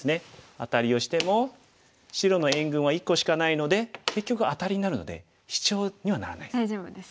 アタリをしても白の援軍は１個しかないので結局アタリになるのでシチョウにはならないです。